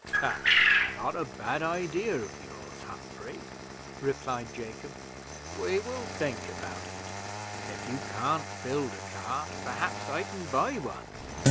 "That's not a bad idea of yours, Humphrey," replied Jacob; "we will think about it. If you can't build a cart, perhaps I can buy one.